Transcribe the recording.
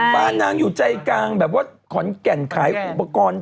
บ้านนางอยู่ใจกลางแบบว่าขอนแก่นขายอุปกรณ์